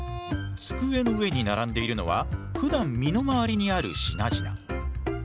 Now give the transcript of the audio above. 机の上に並んでいるのはふだん身の回りにある品々。